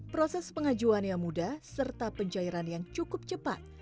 proses pengajuan yang mudah serta pencairan yang cukup cepat